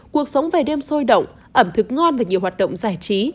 cuộc sống về đêm sôi động ẩm thực ngon và nhiều hoạt động giải trí